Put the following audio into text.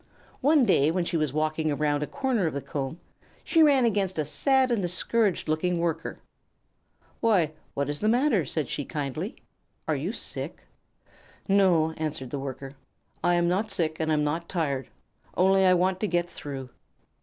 One day, when she was walking around a corner of the comb, she ran against a sad and discouraged looking Worker. "Why, what is the matter?" said she, kindly. "Are you sick?" "No," answered the Worker. "I'm not sick and I'm not tired, only I want to get through."